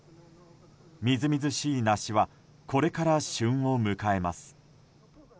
みずみずしい梨はこれから旬を迎えます。